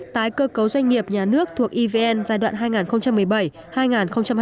tái cơ cấu doanh nghiệp nhà nước thuộc evn giai đoạn hai nghìn một mươi bảy hai nghìn hai mươi